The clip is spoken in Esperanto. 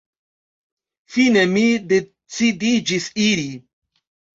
Fine mi decidiĝis iri.